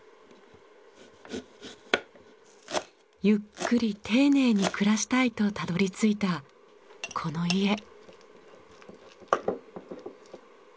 ゆっくり丁寧に暮らしたいとたどり着いたこの家。